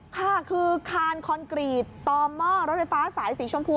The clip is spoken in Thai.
ค่ะคือคานคอนกรีตต่อหม้อรถไฟฟ้าสายสีชมพู